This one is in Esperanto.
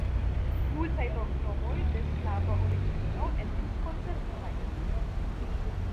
Multaj loknomoj de slava origino estis konservitaj.